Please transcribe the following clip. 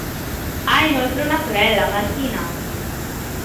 Ha inoltre una sorella, Martina.